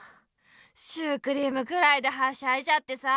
シュークリームくらいではしゃいじゃってさ。